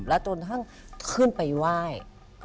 และต้องพี่ทั้งขึ้นไปไหว้